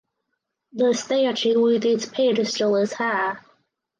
The statue with its pedestal is high.